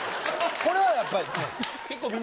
これはやっぱりねぇ